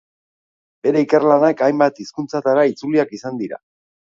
Bere ikerlanak hainbat hizkuntzatara itzuliak izan dira.